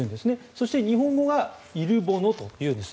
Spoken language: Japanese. そして日本語はイルボノというんです。